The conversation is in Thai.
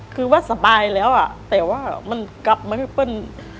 คือว่าสบายแล้วอ่ะแต่ว่ามันกลับมาไม่เปิ้ล